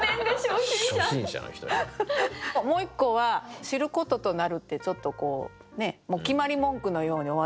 もう一個は「知る事となる」ってちょっとこう決まり文句のように終わってますよね。